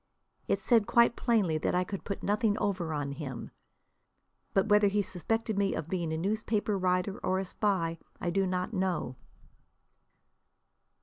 It said quite plainly that I could put nothing over on him. But whether he suspected me of being a newspaper writer or a spy I do not know.